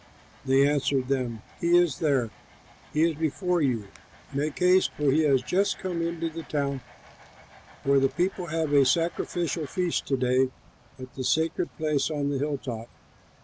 They answered them, "He is there; he is before you. Make haste, for he has just come into the town, for the people have a sacrificial feast to day at the sacred place on the hilltop.